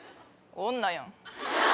女やん。